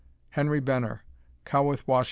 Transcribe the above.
Henry Benner, Cowithe, Wash.